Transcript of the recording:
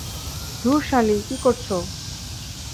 ধুর, সালি, কী করছো।